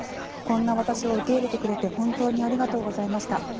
こんな私を受け入れてくれて本当にありがとうございました